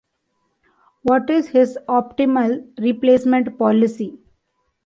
What is his optimal replacement policy?